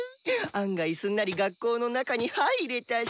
案外すんなり学校の中にはいれたし。